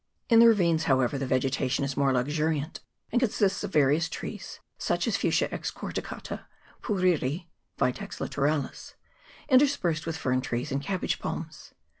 In the ravines, however, the vegetation is more luxuriant, and consists of various trees, such as Fuchsia excor ticata, puriri (Vitex litoralis), interspersed with fern trees and cabbage palms.